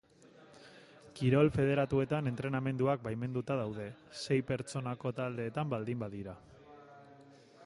Kirol federatuan entrenamenduak baimenduta daude, sei pertsonako taldeetan baldin badira.